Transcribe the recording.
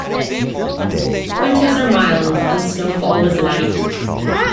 Winters are mild and snowfall is light.